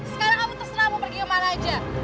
sekarang kamu terserah mau pergi kemana aja